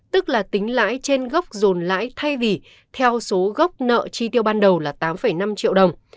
tức là tính lãi trên gốc dồn lãi thay vì theo số gốc nợ chi tiêu ban đầu là tám năm triệu đồng